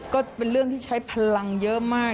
ก็เป็นเรื่องที่ใช้พลังเยอะมาก